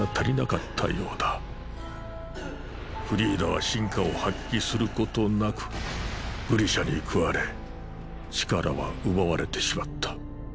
フリーダは真価を発揮することなくグリシャに食われ力は奪われてしまった。